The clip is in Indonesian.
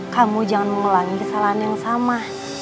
kamu jangan mengulangi kesalahan yang sama